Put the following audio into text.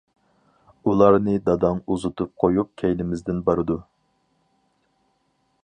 -ئۇلارنى داداڭ ئۇزىتىپ قويۇپ كەينىمىزدىن بارىدۇ.